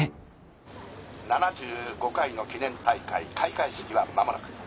「７５回の記念大会開会式は間もなく。